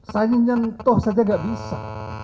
saya nyentuh saja gak bisa